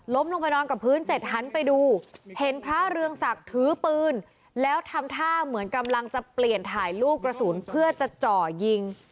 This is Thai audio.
ลงไปนอนกับพื้นเสร็จหันไปดูเห็นพระเรืองศักดิ์ถือปืนแล้วทำท่าเหมือนกำลังจะเปลี่ยนถ่ายลูกกระสุนเพื่อจะเจาะยิง